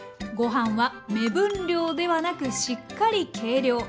ご飯は目分量ではなくしっかり計量！